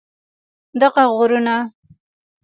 دغه غرونه